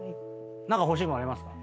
何か欲しいもんありますか？